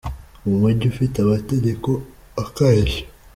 mu mujyi ufite amategeko akarishye